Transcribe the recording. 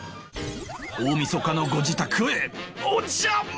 大みそかのご自宅へお邪魔！